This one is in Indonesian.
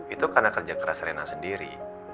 itu karena kerja keras rena sendiri